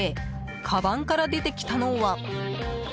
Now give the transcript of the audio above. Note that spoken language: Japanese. かばんから出てきたのは。